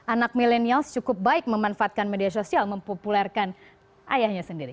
anak milenials cukup baik memanfaatkan media sosial mempopulerkan ayahnya sendiri